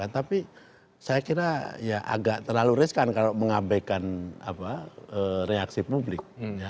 tapi saya kira ya agak terlalu riskan kalau mengabaikan reaksi publik